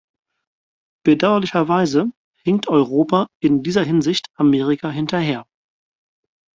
Bedauerlicherweise hinkt Europa in dieser Hinsicht Amerika hinterher.